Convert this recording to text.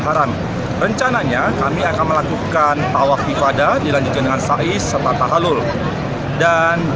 haram rencananya kami akan melakukan tawaf ibadah dilanjutkan dengan saiz serta tahalul dan